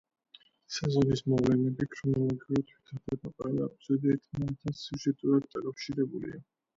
სეზონის მოვლენები ქრონოლოგიურად ვითარდება, ყველა ეპიზოდი ერთმანეთთან სიუჟეტურად დაკავშირებულია.